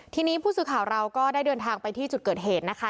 ทีนี้ผู้สื่อข่าวเราก็ได้เดินทางไปที่จุดเกิดเหตุนะคะ